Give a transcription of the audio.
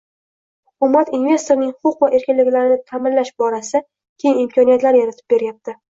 Hukumat investorning huquq va erkinliklarini taʼminlash borasida keng imkoniyatlar yaratib berayapti.